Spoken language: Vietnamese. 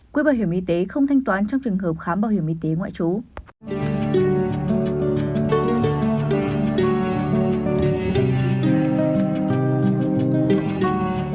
quỹ bảo hiểm y tế không thanh toán trong trường hợp khám bảo hiểm y tế ngoại trú